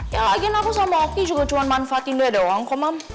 ya lagian aku sama oki juga cuman manfaatin deh doang kok mam